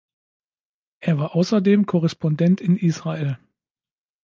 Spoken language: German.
Er war außerdem Korrespondent in Israel.